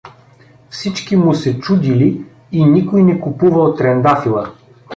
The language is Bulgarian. Всички му се чудили и никой не купувал трендафила.